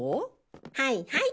はいはい。